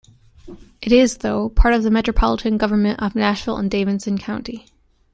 It is, though, part of the Metropolitan Government of Nashville and Davidson County.